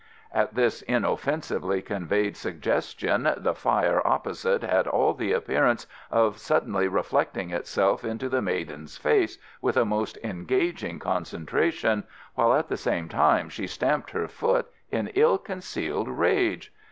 At this inoffensively conveyed suggestion, the fire opposite had all the appearance of suddenly reflecting itself into the maiden's face with a most engaging concentration, while at the same time she stamped her foot in ill concealed rage.